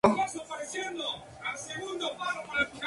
Está delimitado por la Av.